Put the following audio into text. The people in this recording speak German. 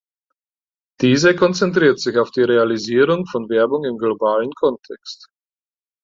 Diese konzentriert sich auf die Realisierung von Werbung im globalen Kontext.